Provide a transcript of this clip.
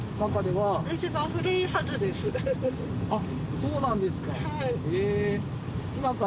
そうなんですか。